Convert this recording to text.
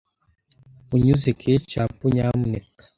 Unyuze ketchup, nyamuneka.